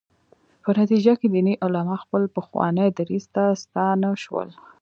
په نتیجه کې دیني علما خپل پخواني دریځ ته ستانه شول.